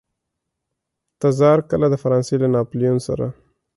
تزار کله د فرانسې له ناپلیون سره.